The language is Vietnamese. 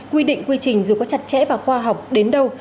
quy định quy trình dù có chặt chẽ và khoa học đến đâu